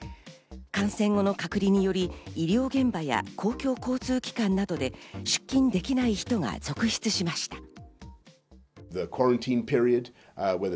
感染後の隔離により、医療現場や公共交通機関などで出勤できない人が続出しました。